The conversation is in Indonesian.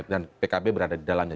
dan pkb berada di dalamnya